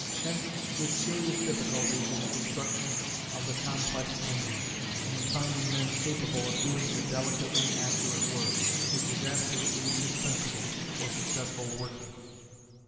Hence his serious difficulties in the construction of the complex engine, and in finding men capable of doing the delicately accurate work which was absolutely indispensable for successful working.